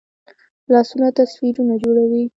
لاسونه تصویرونه جوړوي